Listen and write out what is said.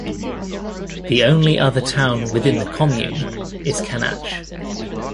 The only other town within the commune is Canach.